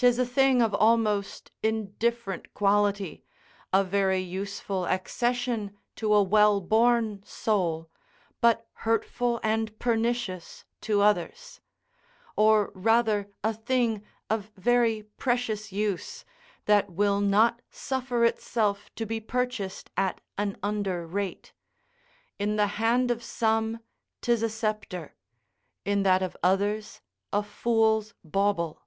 'Tis a thing of almost indifferent quality; a very useful accession to a well born soul, but hurtful and pernicious to others; or rather a thing of very precious use, that will not suffer itself to be purchased at an under rate; in the hand of some 'tis a sceptre, in that of others a fool's bauble.